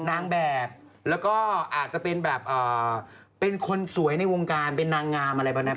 นางแบบแล้วก็อาจจะเป็นแบบเป็นคนสวยในวงการเป็นนางงามอะไรประมาณนั้น